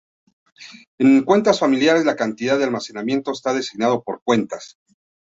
En cuentas familiares, la cantidad de almacenamiento está designado por cuentas.